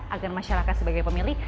agar masyarakat sebagai pemilih